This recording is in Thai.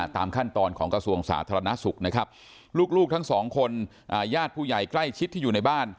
ตามขั้นตอนของกระทรวงสาธารณสุขนะครับลูกทั้งสองคนญาติผู้ใหญ่ใกล้ชิดที่อยู่ในบ้าน